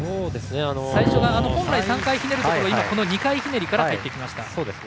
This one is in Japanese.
本来３回ひねるところを２回ひねりから入りました。